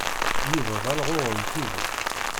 Yuba d alɣuɣ n tidet.